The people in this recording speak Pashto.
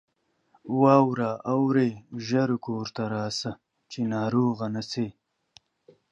واوره اوري ! ژر کورته راسه ، چې ناروغ نه سې.